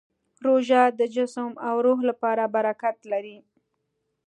روژه د جسم او روح لپاره برکت لري.